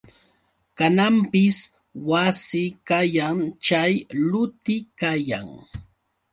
Kananpis wasi kayan chay luti kayan.